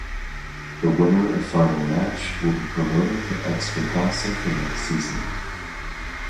The winner of final match will be promoted to Ekstraklasa for next season.